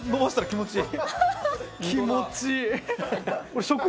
気持ちいい！